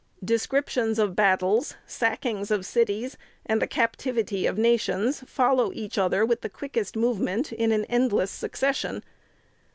Descriptions of battles, sackings of cities, and the captivity of nations, follow each other, with the quickest movement, and in an endless succession.